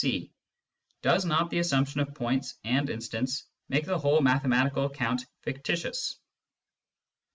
(c) Does not the assumption of points and in stants make the whole mathematical account fictitious